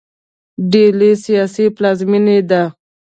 ډیلي سیاسي پلازمینه ده.